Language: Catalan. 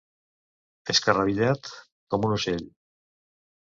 Escarrabillat com un ocell.